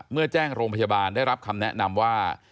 เมื่อแจ้งโรงพยาบาลได้รับคำแนะนำว่า